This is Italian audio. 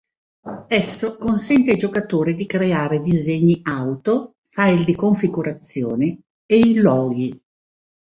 Esso consente ai giocatori di creare disegni auto, file di configurazione e i loghi.